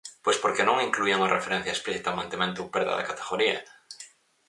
Pois porque non incluía unha referencia explícita ao mantemento ou perda da categoría.